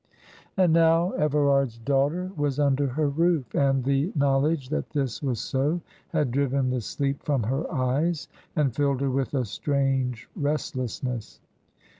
And now Everard's daughter was under her roof, and the knowledge that this was so had driven the sleep from her eyes, and filled her with a strange restlessness.